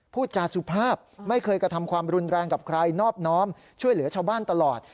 พูดจาสุภาพไม่เคยกระทำความรุนแรงกับใครนอบน้อมช่วยเหลือชาวบ้านตลอด